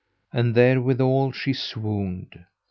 And therewithal she swooned.